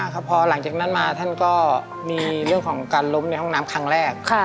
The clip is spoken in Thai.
พอหลังจากนั้นมาท่านก็มีเรื่องของการล้มในห้องน้ำครั้งแรก